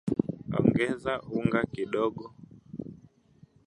Kiwango cha kusababisha vifo kwa ugonjwa wa ndigana baridi